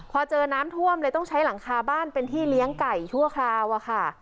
พอเจอน้ำท่วมเลยต้องใช้หลังคาบ้านเป็นที่เลี้ยงไก่ชั่วคราวอะค่ะ